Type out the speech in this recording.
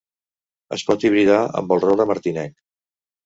Es pot hibridar amb el roure martinenc.